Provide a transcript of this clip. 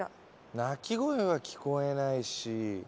鳴き声は聞こえないし。